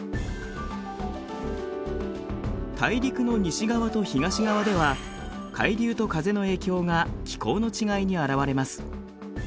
大陸の西側と東側では海流と風の影響が気候の違いに表れます。